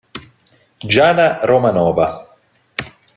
Giana Romanova